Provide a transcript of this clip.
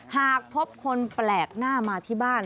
หากพบคนแปลกหน้ามาที่บ้าน